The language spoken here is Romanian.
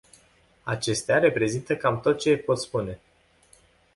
Acestea reprezintă cam tot ce pot spune.